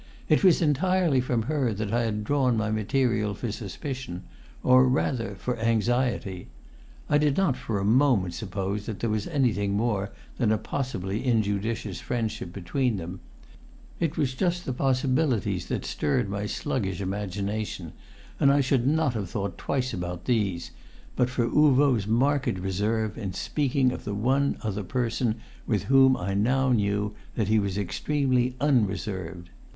It was entirely from her that I had drawn my material for suspicion, or rather for anxiety. I did not for a moment suppose that there was anything more than a possibly injudicious friendship between them; it was just the possibilities that stirred my sluggish imagination; and I should not have thought twice about these but for Uvo's marked reserve in speaking of the one other person with whom I now knew that he was extremely unreserved.